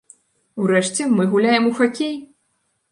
Урэшце, мы гуляем у хакей!